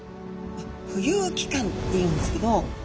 浮遊期間っていうんですけど。